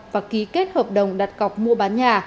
và ký kết hợp đồng đặt cọc mua bán nhà